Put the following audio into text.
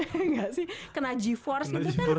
enggak sih kena g force gitu kan